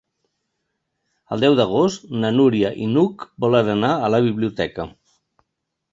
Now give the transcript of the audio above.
El deu d'agost na Núria i n'Hug volen anar a la biblioteca.